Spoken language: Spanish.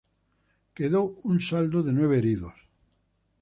Quedó un saldo de nueve heridos.